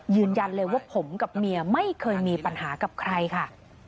ยืนยันเลยว่าผมกับเมียไม่เคยมีปัญหากับใครค่ะ